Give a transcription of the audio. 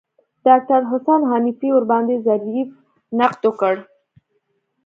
ډاکتر حسن حنفي ورباندې ظریف نقد وکړ.